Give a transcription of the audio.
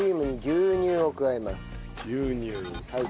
牛乳。